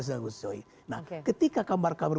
di seluruh kosoi nah ketika kamar kamar